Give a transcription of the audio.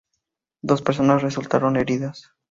Dos personas resultaron heridas.